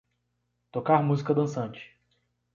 Tocar música dançante